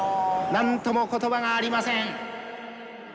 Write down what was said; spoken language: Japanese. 何とも言葉がありません。